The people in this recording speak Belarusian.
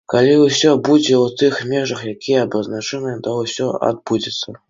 Калі ўсё будзе ў тых межах, якія абазначаныя, то ўсё адбудзецца.